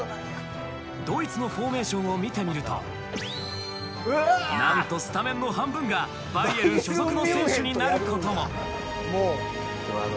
ドイツのフォーメーションを見てみると何とスタメンの半分がバイエルン所属の選手になることも。